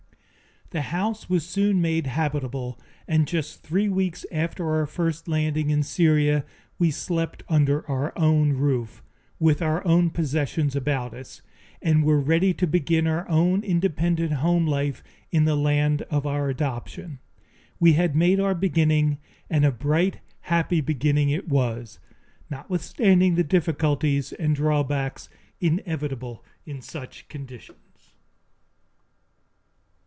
The house was soon made habitable and just three weeks after our first landing in Syria we slept under our own roof, with our own possessions about us, and were ready to begin our own independent home life in the land of our adoption. We had made our beginning, and a bright, happy beginning it was, notwithstanding the difficulties and drawbacks inevitable in such conditions.